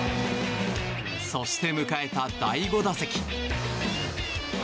そして迎えた第５打席。